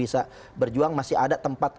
bisa berjuang masih ada tempat